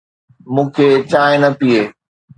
مون کي چانهه نه پيئي.